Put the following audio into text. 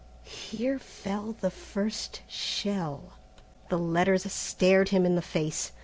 "HERE FELL THE FIRST SHELL." The letters stared him in the face.